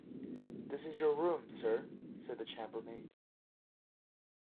‘This is your room, sir,’ said the chambermaid.